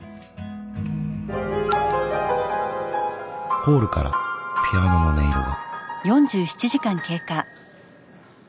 ホールからピアノの音色が。